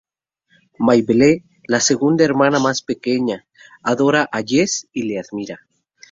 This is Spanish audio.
May Belle, la segunda hermana más pequeña, adora a Jess y le admira.